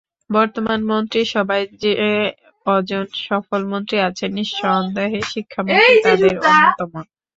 বর্তমান মন্ত্রিসভায় যে কজন সফল মন্ত্রী আছেন, নিঃসন্দেহে শিক্ষামন্ত্রী তাঁদের অন্যতম।